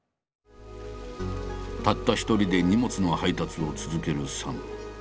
たった一人で荷物の配達を続けるサム。